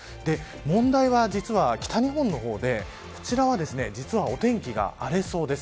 問題は実は、北日本の方でこちらは実はお天気が荒れそうです。